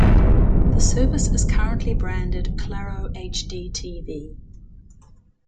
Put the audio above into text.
The service is currently branded Claro hdtv.